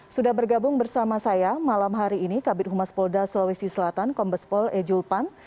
sudah bergabung bersama saya malam hari ini kabit humas polda sulawesi selatan kombespol ejul pan